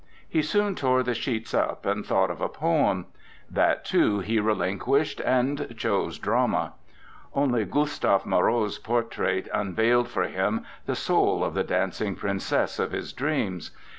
He soon tore the sheets up, and thought of a poem. That, too, he relinquished, and chose drama. ... Only Gustave Moreau's portrait un veiled for him the soul of the dancing princess of his dreams.